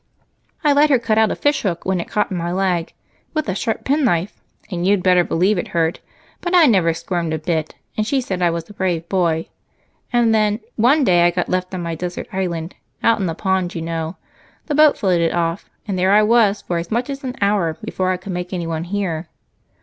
"I let her cut out a fishhook, when it caught in my leg, with a sharp penknife, and you'd better believe it hurt, but I never squirmed a bit, and she said I was a brave boy. And then, one day I got left on my desert island out in the pond, you know the boat floated off, and there I was for as much as an hour before I could make anyone hear.